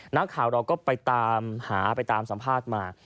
นักข่าวเราก็ไปตามหาไปตามสัมภาษณ์มา